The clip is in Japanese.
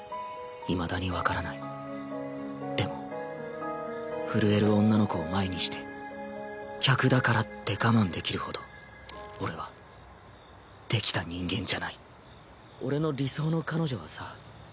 いまだに分からないでも震える女の子を前にして客だからって我慢できるほど俺はできた人間じゃない俺の理想の彼女はさ。